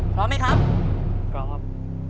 พร้อมไหมครับพร้อมครับ